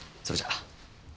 それじゃあ。